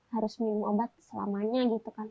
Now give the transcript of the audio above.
harus minum obat selamanya gitu kan